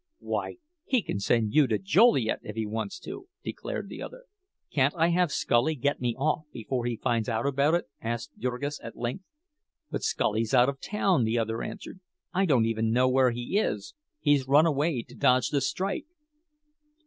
"Why, he can send you to Joliet, if he wants to!" declared the other. "Can't I have Scully get me off before he finds out about it?" asked Jurgis, at length. "But Scully's out of town," the other answered. "I don't even know where he is—he's run away to dodge the strike."